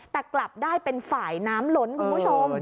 แต่กลับได้เป็นฝ่ายน้ำล้นคุณผู้ชม